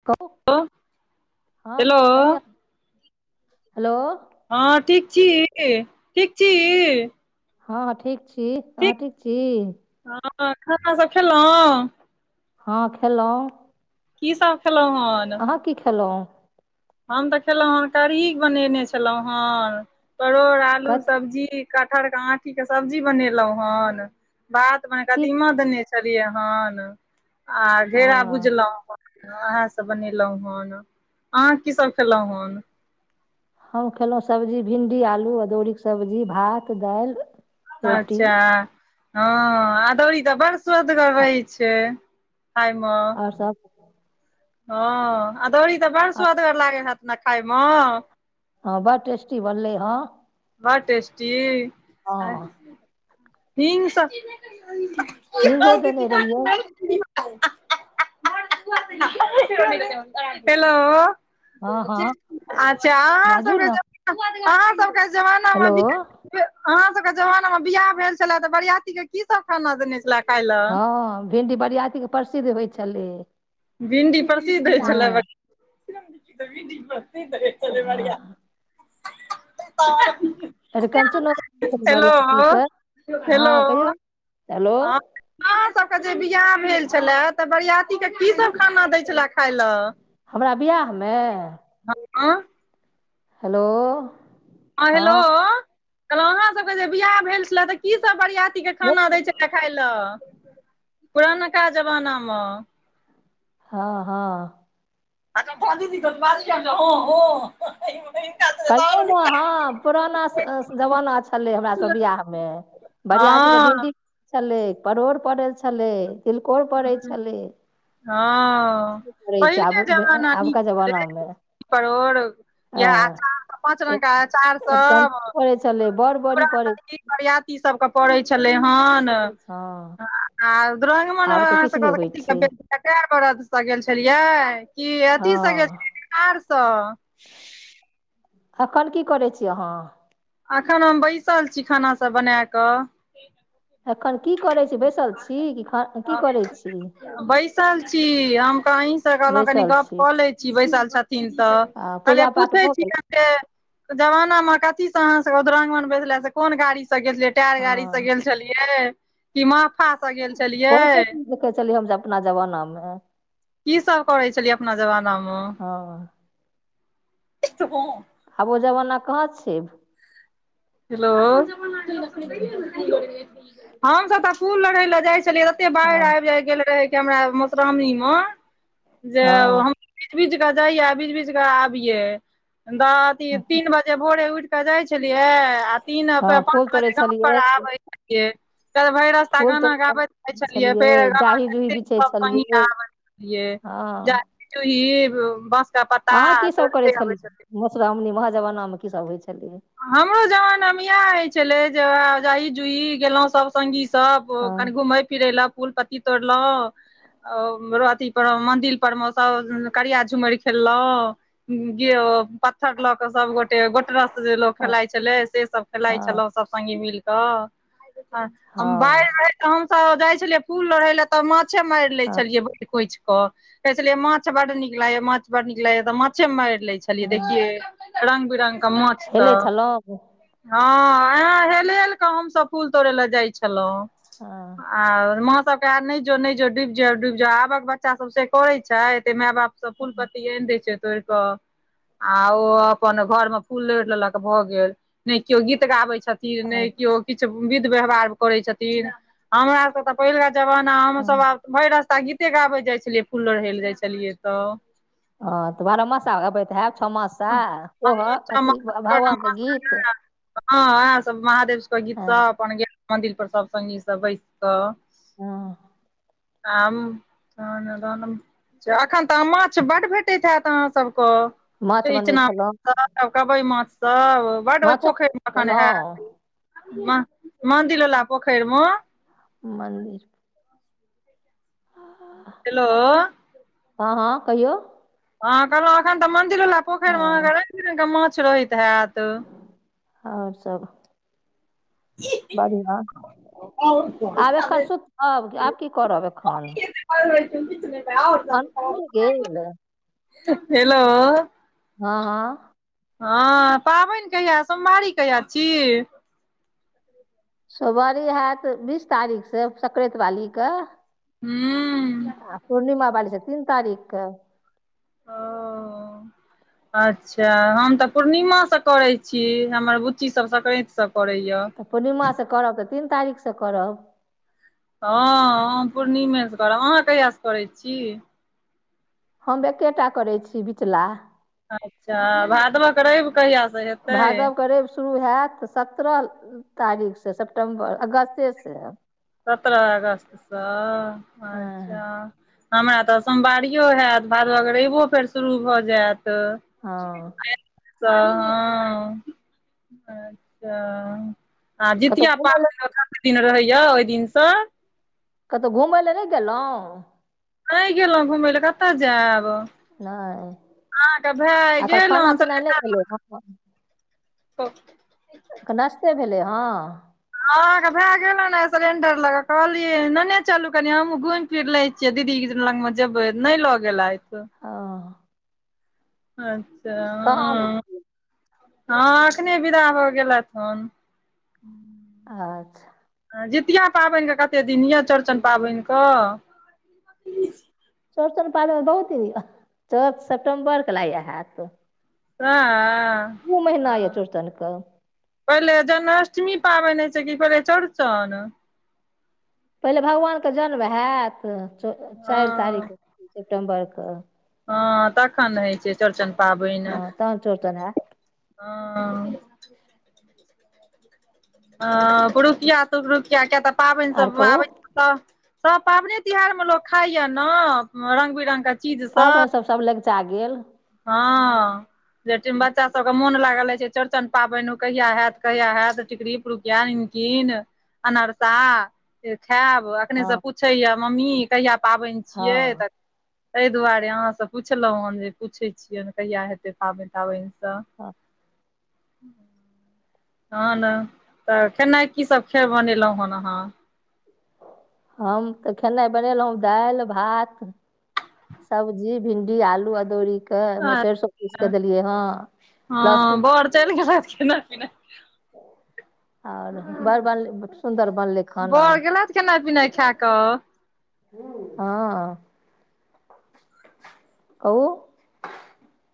[inaudible] कहु हेलो ह हेलो कनिया हेलो हँ ठीक छी ठीक छी हँ हँ ठीक छी अहाँ ठीक छी हँ खाना सब खेलो हँ खेलो की सब खेलौं हन अहाँ की खेलो हम तऽ खेलो हन कढ़ी बनेने छलो हन परोड़ आलू कथी सब्जी कठहर के आठी के सब्जी बनेलों हन बात म की कदीमा देने छै छलियै हन आ घेरा बुझलो हँ ओहा सब बनेलो हन अहाँ की सब खेलो हन हम खेलो सब्जी भिण्डी आलू अदौड़ी के सब्जी भात दाइल अच्छा हँ अदौरी तऽ बड़ स्वादगर आ- रहे छै खाय म ओर सब हँ अदौरी तऽ बड़ आ- सु्वदगर लागै हेत ने खाय म हँ बड़ टस्टी बनलै हँ बड़ टेस्टी [inaudible] हँ हींग [inaudible] हिंगो देने रहियै [inaudible] हेलो हँ हँ अच्छा अहाँ बाजू ने सभके अहाँ सभके जमाना हेलो मे। अहाँ सभके जमाना मे बियाह भेल छले तऽ बरियाती के कि सभ खाना देने छले खाय लए हँ भिडी बरियातीके प्रसिद्ध होई छलै। भिन्डी प्रसिद्ध हय छलै। दऽ हँ चे हँ मी [unintelligible] अरनो बरिआ के ह कहियौ [unintelligible] ह अहाँ सभके जे बिआह भेल छलए तऽ बरआ के कि सभ खाना दै छले खाय लए हमरा बियाहमे आ हेलो। ह हेलो हँ कहलहु अहाँ सभके जे बियाह भेल छलै तऽ कि सभ बरियातीक के खाना दै छल देखाय लए पुरनका जमाना मे ह ह अच भाजू दिक बाद कहियौ ने हँ पुराना जा जमाना छलै हमर सभ बियाह मे। बरि आदीक के हँ भिंडी छलै परोड़ पड़ल छलै। तिलकोर पड़ै छलै। ह पड़ै छै पहिल आब के जमाना नीक आबका छलै। जमानामे परोड़ यहे हँ अचार पाँच रंग कऽ अचार अरिकंच सभ पड़ै छलै बड़ बड़ी पड़ै। बरियाती सभके पड़ै छलै हन। ह आ दुरांगमन अहाँ सभके होइ छै बेटी सभ के गेऽ बरद सऽ गेल छलियै। कि हँ अथी से गेलियै कार सऽ। एखन कि करै छी अहाँ अखन हम बैसल छी खाना सभ बना कऽ। एखन कि करै छी बैसल छी कि खान कि करै छीॽ बैसल छी हम तऽ अहीसँ कहलहुँ कनी बैसल गऽ छी कऽ ले छी बैसल छथिन तऽ। आ कहलियै पूजा पाठ पूछै भऽ गेल। छियनि जमाना मे कथीसँ अहाँ सभके दूरांगमन भेजले से कोन गाड़ी से गेलियै। टायर गाड़ी से हँ गेल छलियै कि महफा से। गेल छलियै बहुतो चीज देखै छलियै हम जे अपना जमाना मे। कि सभ करै छलियै अपना जमाना मे। हँ आबो जमाना कहा छै। हेलो हमसभ तऽ फूल लोढ़ै लए जाई छलियै। एते बाढ़ि हँ आबि जा गेल रहै कि हमरा मौश्रामणी मे जे हँ हम। भीज भीज कऽ जइयै भीज भीज कऽ आबिये त अथी तीन बजे भोरे उइठ के जाय छलियै आ तीन हँ पाँच फूल तोड़ै बजे गाम पर छलियै आबै छलियै, तऽ भैरस स फूल गाना तोड़ि कऽ गाबैत रहइत आनै छलियै फेर गाना जाही जुही गेइते बिछै सभ पानि मे छलियै आबैत रहियै। हँ दुईब बाँस कऽ पत्ता अहाँ की सब करै तोड़ते आबै छलियै छथिन। मधुश्रावणी मे वऽ जमाना मे कि सभ होई छलै। हमरो जमाना मे इएह हय छलै जे जाई जुई गेलहु सभ संगी सभ हँ कनि घूमय फिरे लए फूल पत्ती तोड़लहु ओ अथी पर मंदिर पर मे सभ करिया झुमैर खेलहु केयो पाथर लऽ क सब गोटे गोट रस जे लोक हँ खेलाइ छले से सब खेलाइ हँ छलहुं सब संगी मिल क हम बाढ़ि हँ रहैय आ हम सभ जाइ छलियै फूल लोढय लए त माछे मारि लै हँ छलियै भैर खोछि क कहे छलिये माछ बड नीक लागेय माछ बड नीक लागेय त माछे मारि लै छलियै कहलियै हँ देखियै रंग बिरंगक मांछ हेलै छलौं हँ अहाँ हेल हेल कऽ हमसभ फूल तोड़य लए जाइ छलहुँं। हँ आ माँ सब ता नहि जो नहि जो डूबि जेबे डूबि जेबे आबक बच्चा सब से करे छै एते माय बाप सब फूल पत्ती आनि देय छै तोड़ के आ ओ अपन घर में फूल लोढी लेलक भ गेल नहि केओ गीत गाबै छथिन नहि केओ अच्छा किछु विध व्यवहार करै छथिन हमरा सब से पहिलका जमाना हमुं हँ सब आब भरि रास्ता गीते गाबे जाय छलियै फूल लोढय ले जाय छै छलिये त हत बारह मासा गबेत हयब छओ मासा‌ हँ सोहर ओहो अथी भगवानक गीत हँ उएह सब महादेव सबके गीत सब हँ अपन गेलौं मन्दिर पर सब संगी सब बैस क हँ आम एखन तऽ माछ बड्ड भेटैत हैत अहाँ सभके माछ से बनबै इचना छलहुँ कबय मांछ सब बड ओय माछो पोखैड़ में बनबै अखन हैत छलहुँ म मन्दिरवला पोखरि में मन्दिर हेलो हँ हँ कहियौ हाँ कहलोअ एखन त मंदिर बला पोखरि मे अहाँके हँ रंग बिरंग के माछ रहैत हैत आओर सब बढ़िआँ आब एखन सुतब आब की करब एखन घ होै त आओर भ गेल हेलो। हँ अ हँ पाबैन कहिया सोमवारी कहिया छी सोमवारी हैत बीस तारीख से संक्रैत वाली के हूँ आ पूर्णिमा बाली छै, तीन तारीख के हँ अ अच्छा हम त पूर्णिमा सँ करय छी, हमर बुच्ची सब संक्रान्ति से करैया पूर्णिमा सँ करब त तीन तारीख सँ करब हाँ हम पूर्णिमे सँ करब अहाँ कहिया सँ करैत छी हम एकेटा करैत छी बिचला अच्छा भादवक रवि कहिआसँ हेतैय भादव करब शुरू हैत सत्रह तारीख से सेपटेम्बर अगस्ते से सत्ररह अगस्तसँ हँ अच्छा हमरा त सोमवारियो होयत भादव के रैबो फेर शुरू भ जाइत हँ हँ अच्छा आ कतहु जितिया घुमय लए पाबनि ओत दिन रहिय ओहि दिन से। कतहु घुमय लए नहि गेलों नै गेलोअ घुमै लऽ कत जैब। [inaudible] नहि अहाँ कऽ भैय आए एकर गेल ह खाना पीना नहि सिलेंडर लऽ भेलै हँ कऽ [inaudible] [unintelligible] अखैन नाश्ते भेलै हँ। अहाँ कऽ भैय गेल न सिलेंडर लऽ कऽ कहलीए लनै चलू कनि हमहूँ घुम फिर लै छी। जे दीदी लग में जेबैय नै लऽ गेलैयत। हँ अच्छा - [inaudible] [unintelligible] हँ अखने विदा भऽ गेलैथ हन [inaudible] अच्छा जितिया पाबैन कऽ कतै दिन यऽ चौरचन पाबैन कऽ चौरचन पाबैन कऽ बहुत दिन यऽ चौदह सेपटम्बर कऽ लागैय हैत [unintelligible] दु महीना यऽ चौड़चन कऽ पहिले जन्माष्टमी पाबैन होइ छै की पहिले चौरचन। पहिले भगवान कऽ जन्म हैत चाइर हँ तारीख सेप्टेम्बर कऽ हँ तखन हैइ छै चौरचन पाबैन हँ तहन चौरचन हैत [inaudible] हँ। हँ पुरुकिया तुरुकिया किया तऽ पाबैन आर सभ कहू आबै तऽ तऽ पाबैने तिहार में लोक खाइ यऽ न रंग बिरंग केँ चीज सब। लगचा गेल। हँ जहठिम बच्चा सब कऽ मोन लागाल रहय चौड़चन पाबैन कहिया हैत कहिया हैत टिकड़ी पुरुकिया निमकिन। अनरसा से खैब अखने स हँ पूछै यऽ मम्मी कहिया पाबैन छियै हँ तऽ तैय दुआरे अहाँ स पुछलौ हन जे पूछै छियैन कहिया हेतै पाबैन ताबैन स हँऽ हऽ न तऽ खैनाइ की सब खेर बनेलौ हेन अहाँ हम तऽ खेनाइ बनेलौ दाइल भात सब्जी भिण्डी आलू अदौड़ी कऽ ओइमें सेेरसो पीस कऽ देलियै हँ लहसुन [unintelligible] [unintelligible] [inaudible] और बर बनलै सुन्दर बनलै खाना बर गेलैथ खैनाइ पिनाइ खै कऽ [unintelligible] हँ कहु [unintelligible]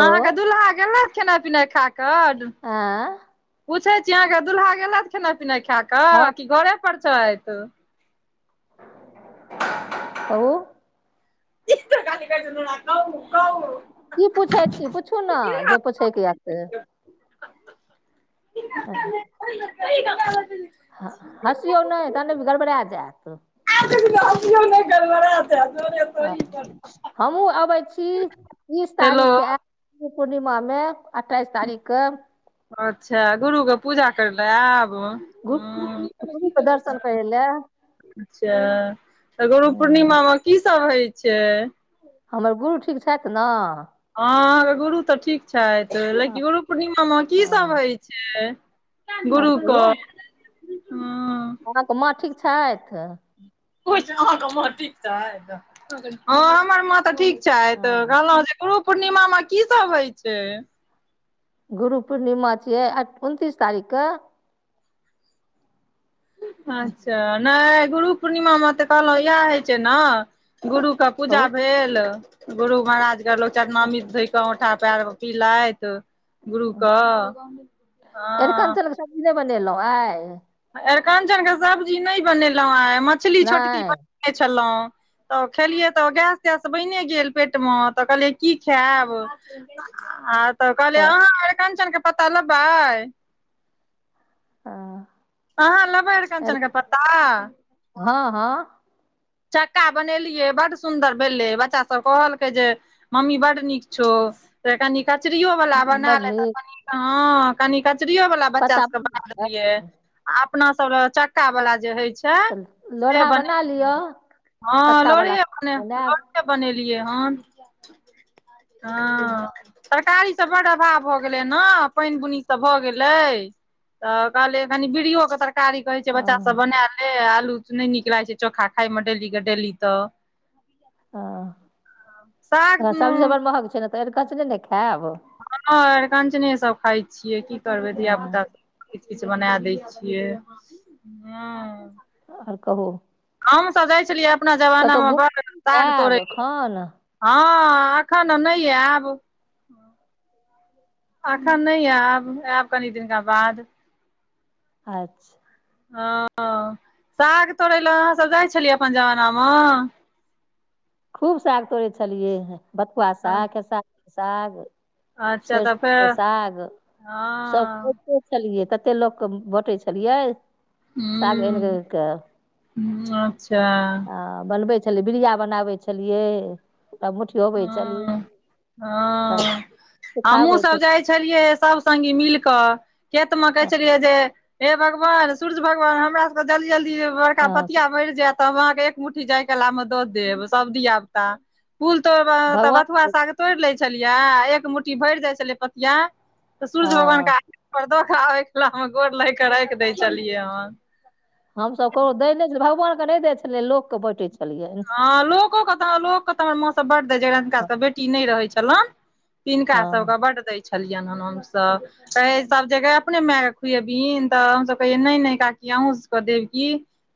अहाँ कऽ दुल्हा गेलेथ खेनाइ पिनाइ खा कऽ [unintelligible] पूछैत छी अहाँ कऽ दुल्हा गेलेथ खेनाइ पिनाइ खा कऽ हँ कि घरे पर छैथ [unintelligible] [unintelligible] की पूछै छी पूछू न जे पूछै कऽ यऽ से [unintelligible] [unintelligible] हँ हँसियौ नै ता नै गड़बड़ा जैत गड़बड़ा। हमहूँ अबैत छी तीस हेलो तारीख के आय कऽ पूर्णिमाबमे अठाइसँ तारीख के अच्छा गुरुके पूजा करे लए आयब हँ गुरके दर्शन कर लऽ अच्छा तऽ गुरु हूँ पूर्णिमा मे कि सभ होई छै हमर गुरु ठीक छथिन हँ अहाँकेँ गुरु तऽ ठीक छथि लेकिन गुरु पूर्णिमामे कि सभ हँ होई छै आओर गुरु कऽ हा अहाँकेँ माँ ठीक छथि अहाँकेँ मे ठीक हँ हमर माँ तऽ ठीक च हँ कहलहुँ जे गुरु पूर्णिमा मे कि सभ होई छै गुरु पूर्णिमा छियै उनतीसँ तारीख के अच्छा नहि गुरु पूर्णिमामे तऽ कहलहु इएह होई छै ने गुरु के पूजा कहू भेल गुरु महाराज के लोक हँ चरनामी धोई कऽ औठा पयर पिलथि गुरु के ह अरिकञ्चनके सब्जी नहि बनेलहुँ आई अरिकाञ्चन के सब्जी नहि बनेलहु आई मछली छोटकि नहि बनने छलहु तऽ खेलियै तऽ गैस तैस बनि गेल पेटमे तऽ कहलियै कि खायब हँ तऽ कहलियै अहाँ काञ्चलके पता लेबै आ। अहाँ लेबैर कञ्चन के पत्ता ह ह चक्का बनेलियै बड़ सुन्दर भेलनै बच्चा सभ कहलकै जे मम्मी बट नीक छौ तऽ नै कचरोवला बना बड्ड ले तऽ नीक कनि हँ कनि कचरियोवला बच्चा पत्ता सभके बनै बना देलियै छै? आ अपना सभ लऽ चक्का वला जे होई छै चलू से लोढ़ा बना बनेल लिअ ह चक्का लोड़ी वाला हेब लो सब्जी बनायब कऽ बनेलियै हन ह हँ सरकारी से बड अभाव भऽ गेलै ने पानि बुनी सभ भऽ गेलै लै तऽ कहलियै कनि बिरियो के तरकारी कहै छै बच्चा हँ सभ बना ले आलू नहि नीक लागै छै चोखा खाई मे डेली के डेली तऽ हँ साग त सब्जी सभ बड़ महग छै ने तऽ ऐरकंचने ने खायब। हँ नै अरकञ्चने सभ खाई छियै कि करबै धिय हँ, पुता सभ किछु बना दै छियै हॅं। ओर कहू। हम तऽ जाई छलियै अपना कतहु जमानामे घुम बड़ साग तोड़य जायब लेल। एखन ह एखन नहि आयब। अखन नहि आयब, आयब कनि दिनका बाद। अच्छा। ह ह साग तोड़ै लए अहाँ सभ जाई छलियै अपन जमानामऽ। खूब साग तोड़ै छलियैह बथुआ साग खेसारी साग। अच्छा तऽ फेर सरिसोक साग सभ हँ खुब छलियै, कते लोक के बाटे छलियै साग आनि कऽ। ह अच्छा। हॅं बनबै छलियै बीड़िया बनाबै छलियै तब ह तऽ हँ हमहुँ सब जाइ छी छलियै सभ संगी मिलकऽ खेत मे कहै छलियै जे हे भगवान सूर्य भगवान हमरा सबके जल्दी जल्दी बड़का हँ पथिया भरि जायत तब अहाँके एक मु्ठी जाय कलामे दऽ देब सब धिय पुता तो तऽ बथुआ भगवान साग तोड़ि लै छलियै आ एक मुट्ठी भरि जाइ छलियै पथिआ तऽ सूर्य भगवान हँ के [unintelligible] पर खबैके मे गोर लगि कऽ राखि दै छलियै हँ। हम सभ कोकरो दै नय छलियै भगवान के नय दै छलिय लोक के बांटय छलियै हें। ह लोकोे कतऽ लोक के तऽ हमर माँ सब बड दय जिनका हँ सबक बेटी नय रहै छलनि तिनका सभके हँ बड्ड दै छलियनि हम हमसभ कहै सभ जगह अपने माय के खुएबीन तऽ हमसभ कहैयै नय नय काकी अहूँ सबके देब की।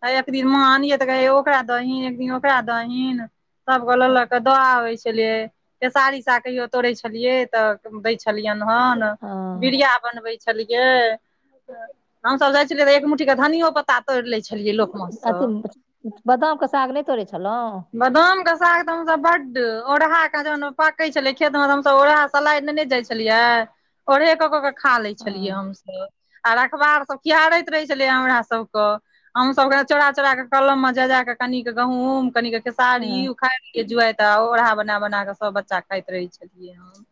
आ एक दिन मां आनियै तऽ कहय ओकरा दही एक दिन ओकरा दहीन सभ गो लऽ लऽ के द आबै छलियै। खेसारीक साग कहियो तोड़े छलिये तऽ दै छलियनि हन हँ, बिड़िया बनबे छलियै। हमसभ जाइ छलियै तऽ एक मु्ट्ठीक धनियो पत्ता तोरि लै छलियै लोक मऽसँ बादाम के साग नय तोड़ै छलहुँ। बदाम के साग तऽ हमस बड, ओरहा के जहन पाके छले खेत में तऽ हमस ओढ़ा सलाइ ने ने जाइ छलियै ओढ़े कऽ कऽ के खा ले छलियै हँ हमसभ। आर रखबार सब खिहारैत रहै छलै हमरा सभके। हमसभ क चोरा चोरा क कलम मे जा जा कऽ कनिक गहुूँम कनीक खेसारी हँ उखैड़ लीयै जुआइत आ ओढ़ा बना बना कऽ सब बच्चा खाइत रहे छलियै हँ।